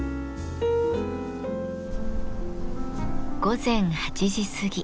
午前８時過ぎ。